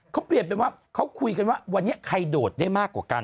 เขาเปลี่ยนเป็นว่าเขาคุยกันว่าวันนี้ใครโดดได้มากกว่ากัน